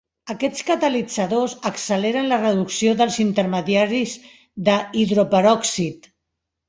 Aquests catalitzadors acceleren la reducció dels intermediaris de hidroperòxid.